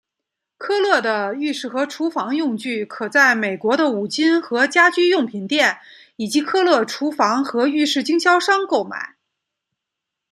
科勒的浴室和厨房用具可在美国的五金和家居用品店以及科勒厨房和浴室经销商购买。